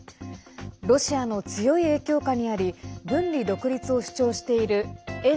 ロシアの強い影響下にあり分離独立を主張している沿